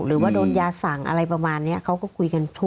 หรือว่าโดนยาสั่งอะไรประมาณนี้เขาก็คุยกันทั่ว